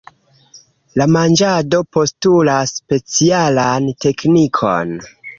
La manĝado postulas specialan teknikon.